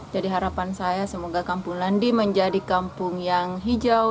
harapan saya semoga kampung landi menjadi kampung yang hijau